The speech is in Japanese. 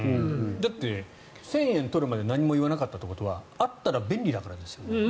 だって１０００円取るまで何も言わなかったということはあったら便利だからですよね。